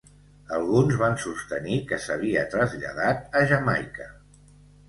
Alguns van sostenir que s'havia traslladat a Jamaica.